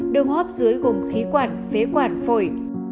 đường hấp dưới gồm khí quản phế quản phổi